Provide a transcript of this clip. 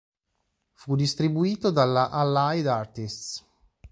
Fu distribuito dalla Allied Artists.